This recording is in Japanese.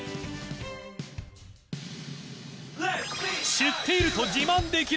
知っていると自慢できる！？